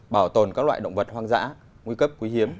bảo tồn các loại động vật hoang dã nguy cấp quý hiếm